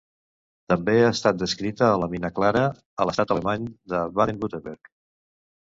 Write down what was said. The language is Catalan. També ha estat descrita a la mina Clara, a l'estat alemany de Baden-Württemberg.